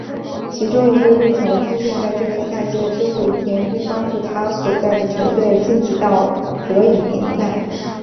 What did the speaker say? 其中一个入球出现在这个赛季的最后一天并帮助他所在的球队晋级到德乙联赛。